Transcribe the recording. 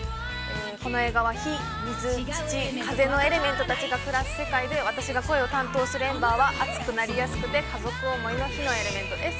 この作品は、火・水・土・風のエレメントたちが暮らす世界で私が声を担当するエンバーはアツくなりやすくて家族思いの火のエレメントです。